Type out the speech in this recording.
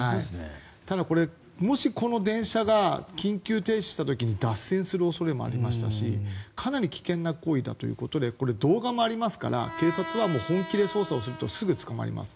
ただ、もしこの電車が緊急停止した時に脱線する恐れもありましたしかなり危険な行為だということでこれ、動画もありますから警察は本気で捜査をするとすぐ捕まります。